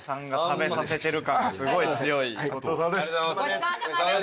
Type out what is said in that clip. ごちそうさまです。